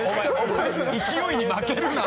勢いに負けるな。